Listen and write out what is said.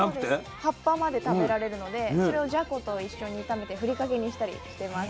葉っぱまで食べられるのでそれをじゃこと一緒に炒めて振りかけにしたりしてます。